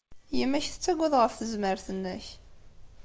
Yemma-k tettagad ɣef tezmert-nnek.